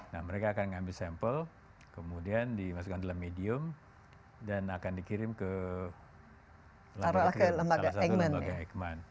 nah mereka akan mengambil sampel kemudian dimasukkan dalam medium dan akan dikirim ke salah satu lembaga eijkman